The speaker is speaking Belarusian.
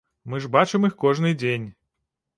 Мы ж бачым іх кожны дзень.